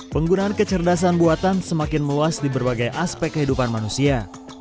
penggunaan kecerdasan buatan semakin meluas di berbagai aspek kehidupan manusia